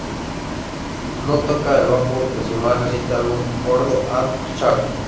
No toca el bajo en su más reciente álbum Ordo Ad Chao.